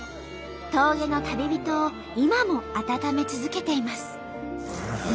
峠の旅人を今も温め続けています。